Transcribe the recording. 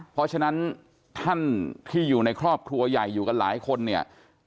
เพราะฉะนั้นท่านที่อยู่ในครอบครัวใหญ่อยู่กันหลายคนเนี่ย